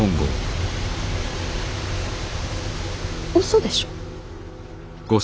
嘘でしょ。